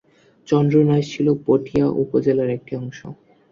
চন্দনাইশ ছিল পটিয়া উপজেলার একটি অংশ।